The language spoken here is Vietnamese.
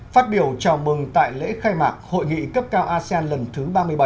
phát biểu chào mừng tại lễ khai mạc hội nghị cấp cao asean lần thứ ba mươi bảy